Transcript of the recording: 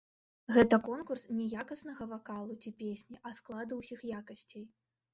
Гэта конкурс не якаснага вакалу ці песні, а складу ўсіх якасцей.